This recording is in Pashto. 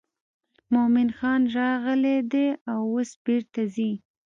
مومن خان راغلی دی او اوس بیرته ځي.